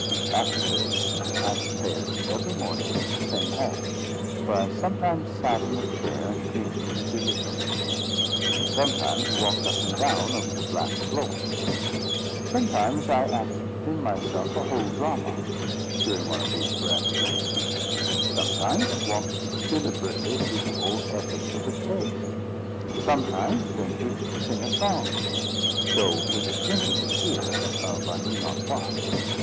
After this, I repaired every morning to the same hall; where I sometimes sat in the chair and dreamed deliciously, and sometimes walked up and down over the black floor. Sometimes I acted within myself a whole drama, during one of these perambulations; sometimes walked deliberately through the whole epic of a tale; sometimes ventured to sing a song, though with a shrinking fear of I knew not what.